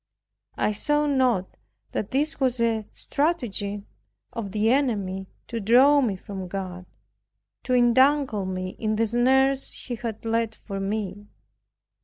I saw not that this was a stratagem of the enemy to draw me from God, to entangle me in the snares he had laid for me.